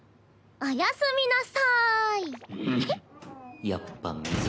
おやすみなさいふふっ。